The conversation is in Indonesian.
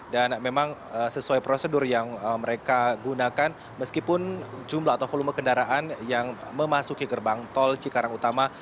dan memang sesuai prosedur yang mereka gunakan meskipun jumlah atau volume kendaraan yang memasuki gerbang tol cikarang utama